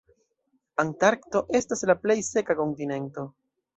Antarkto estas la plej seka kontinento.